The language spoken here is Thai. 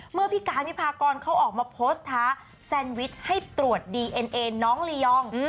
เมื่อพี่การวิพากรเขาออกมาโพสต์ท้าแซนวิชให้ตรวจดีเอ็นเอน้องลียอง